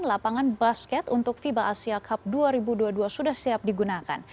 lapangan basket untuk fiba asia cup dua ribu dua puluh dua sudah siap digunakan